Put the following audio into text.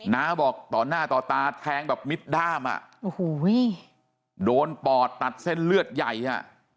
น้าบอกต่อหน้าต่อตาแทงแบบมิดด้ามอ่ะโอ้โหโดนปอดตัดเส้นเลือดใหญ่อ่ะ